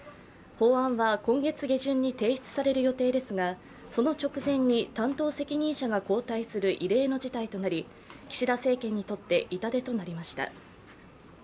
法案は今月下旬に提出される予定ですがその直前に担当責任者が交代する異例の事態となり、岸田政権にとって痛手となりました。